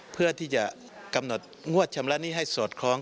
เพื่อที่จะกำหนดงวดชำระหนี้ให้สอดคล้อง